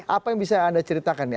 apa yang bisa anda ceritakan nih